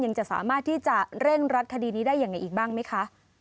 จะสามารถที่จะเร่งรัดคดีนี้ได้ยังไงอีกบ้างไหมคะ